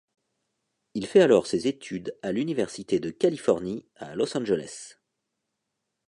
Il fait alors ses études à l'Université de Californie à Los Angeles.